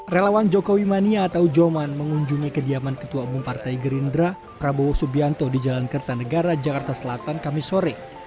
relawan jokowi mania atau joman mengunjungi kediaman ketua umum partai gerindra prabowo subianto di jalan kertanegara jakarta selatan kamisore